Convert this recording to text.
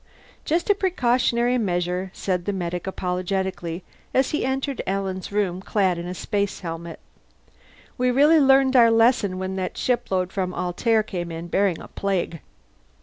"Just a precautionary measure," said the medic apologetically as he entered Alan's room clad in a space helmet. "We really learned our lesson when that shipload from Altair came in bearing a plague."